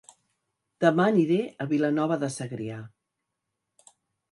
Dema aniré a Vilanova de Segrià